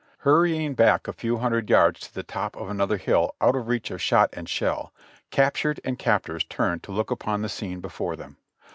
Hurrying back a few hundred yards to the top of another hill out of reach of shot and shell, captured and captors turned to look upon the scene before them.